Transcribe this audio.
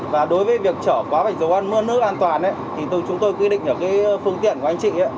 và đối với việc trở quá vạch dấu bốn h nước an toàn thì chúng tôi quy định ở cái phương tiện của anh chị